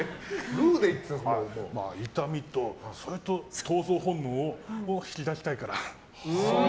痛みと闘争本能を引き出したいから。